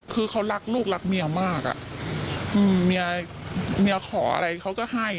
คือเขารักลูกรักเมียมากอ่ะเมียขออะไรเขาก็ให้